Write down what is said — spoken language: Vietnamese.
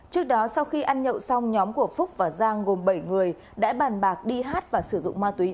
trước đó sau khi ăn nhậu xong nhóm của phúc và giang gồm bảy người đã bàn bạc đi hát và sử dụng ma túy